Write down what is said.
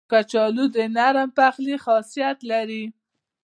کچالو د نرم پخلي خاصیت لري